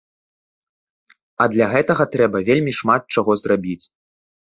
А для гэтага трэба вельмі шмат чаго зрабіць.